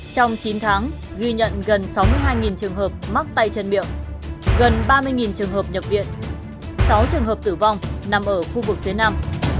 trong chín tháng ghi nhận gần sáu mươi hai trường hợp mắc tay chân miệng gần ba mươi trường hợp nhập viện sáu trường hợp tử vong nằm ở khu vực phía nam